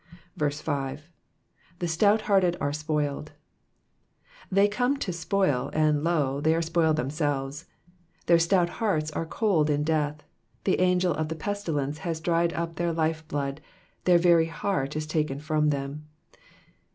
5. ''''The stouthearted are spoiled.^'* Tliey came to spoil, and lo ! they are spoiled themselves. Their stout hearts are cold in death, the angel of the l^tilence has dried up their life blood, their very heart is taken from them.